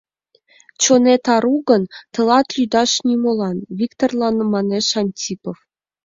— Чонет ару гын, тылат лӱдаш нимолан, — Виктырлан манеш Антипов.